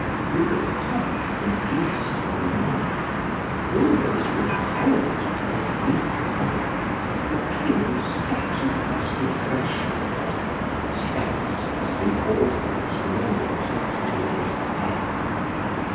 With the pomp of an eastern monarch, always repellent to the Greek mind, the King steps across the threshold, steps, as the audience knows, to his death.